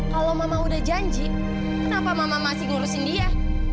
kalau mama udah janji kenapa mama masih ngurusin dia